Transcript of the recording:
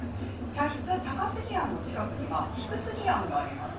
茶室「高過庵」の近くには「低過庵」もあります。